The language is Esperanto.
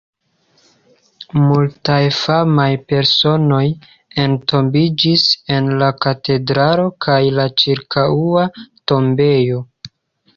Multaj famaj personoj entombiĝis en la katedralo kaj la ĉirkaŭa tombejo.